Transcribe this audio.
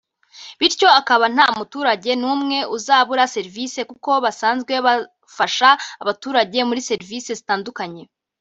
bityo akaba nta muturage n’umwe uzabura serivisi kuko basanzwe bafasha abaturage muri serivisi zitandukanye